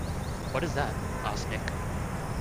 “What is that?” asked Nick.